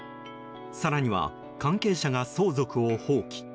更には関係者が相続を放棄。